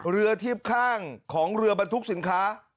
เรือเทียบข้างของเรือบรรทุกสินค้า